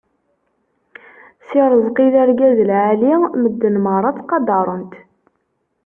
Si Rezqi d argaz n lɛali medden merra ttqadaren-t.